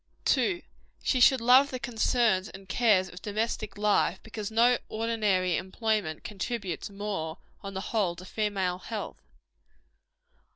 2. She should love the concerns and cares of domestic life, because no ordinary employment contributes more, on the whole, to female health.